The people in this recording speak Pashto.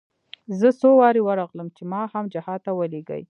زه څو وارې ورغلم چې ما هم جهاد ته ولېږي.